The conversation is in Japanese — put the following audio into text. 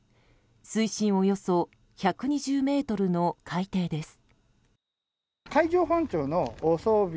水深およそ１２０ｍの海底です。